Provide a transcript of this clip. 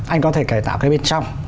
anh có thể cải tạo cái bên trong